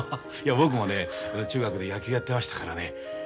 いや僕もね中学で野球やってましたからね。